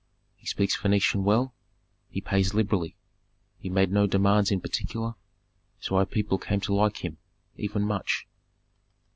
He speaks Phœnician well, he pays liberally. He made no demands in particular; so our people came to like him, even much.